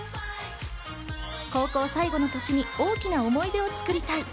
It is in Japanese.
高校最後の年に大きな思い出を作りたい。